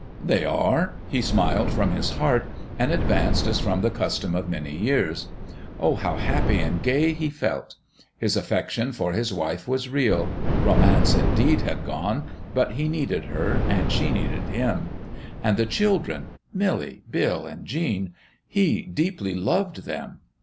"They are?" he smiled from his heart, and advanced as from the custom of many years. Oh, how happy and gay he felt! His affection for his wife was real. Romance, indeed, had gone, but he needed her and she needed him. And the children Milly, Bill, and Jean he deeply loved them.